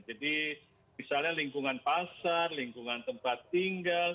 jadi misalnya lingkungan pasar lingkungan tempat tinggal